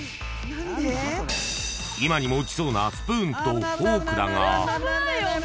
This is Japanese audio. ［今にも落ちそうなスプーンとフォークだが］